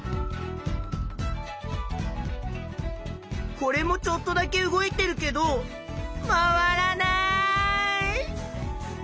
これもちょっとだけ動いてるけど回らない！